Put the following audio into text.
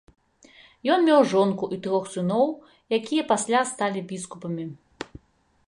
Ён меў жонку і трох сыноў, якія пасля сталі біскупамі.